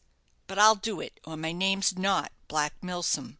But I'll do it, or my name's not Black Milsom."